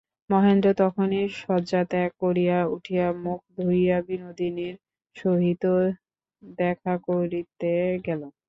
মহেন্দ্র তখনই শয্যাত্যাগ করিয়া উঠিয়া মুখ ধুইয়া বিনোদিনীর সহিত দেখা করিতে গেল।